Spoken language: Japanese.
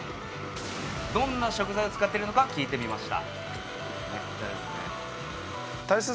どんな食材を使ってるのか聞いてみました。